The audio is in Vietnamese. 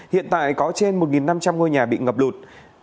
hiện tại có trên một năm trăm linh ngôi nhà bị ngập lụt